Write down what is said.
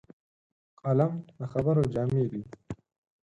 قلم د خبرو جامې دي